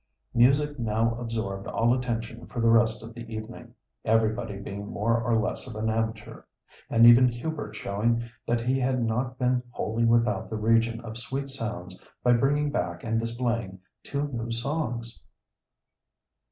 Music now absorbed all attention for the rest of the evening, everybody being more or less of an amateur; and even Hubert showing that he had not been wholly without the region of sweet sounds by bringing back and displaying two new songs.